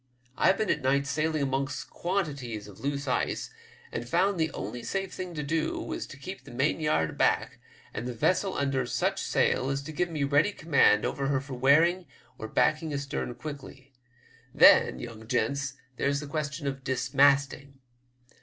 I've been at night sailing amongst quantities of loose' ice, and found the only safe thing to do was to keep the mainyard aback, and the vessel under such sail as to give me ready command over her for wearing or backing astern quickly. Then, young gents, there's the question of dismasting.